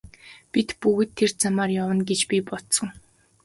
Бид бүгд тэр замаар явна гэж би бодсон.